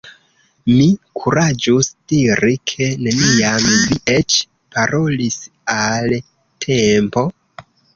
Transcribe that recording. Mi kuraĝus diri ke neniam vi eĉ parolis al Tempo?